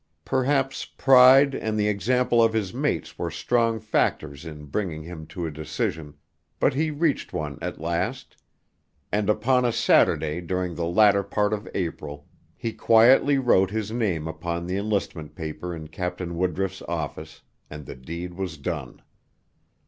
Perhaps pride and the example of his mates were strong factors in bringing him to a decision, but he reached one at last, and upon a Saturday during the latter part of April he quietly wrote his name upon the enlistment paper in Captain Woodruff's office, and the deed was done.